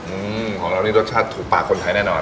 อืมของเรานี่รสชาติถูกปากคนไทยแน่นอน